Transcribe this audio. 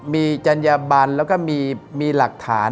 มีจัญญบันแล้วก็มีหลักฐาน